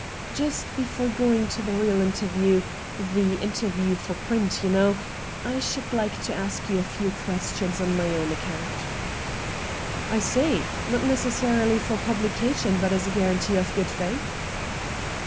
* Just before going to the real interview — the interview for print, you know — I should like to ask you a few questions on my own account.' ' I see. Not necessarily for publication, but as a guarantee of good faith.'